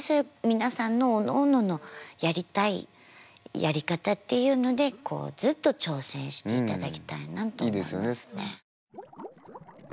皆さんのおのおののやりたいやり方っていうのでずっと挑戦していただきたいなと思いますね。